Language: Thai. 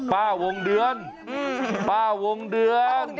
ป้าวงเดือนพ่อวงเดือน